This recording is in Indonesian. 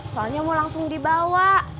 soalnya mau langsung dibawa